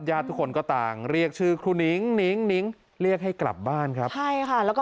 หญ้าทุกคนก็ต่างเรียกชื่อครูหนิงเรียกให้กลับบ้านครับ